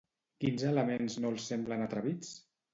Quins elements no els semblen atrevits?